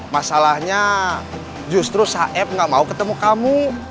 masalahnya justru saep gak mau ketemu kamu